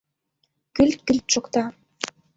— Кӱльт-кӱльт шокта...